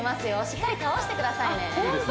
しっかり倒してくださいねあっ